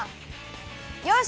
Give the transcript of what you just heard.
よし！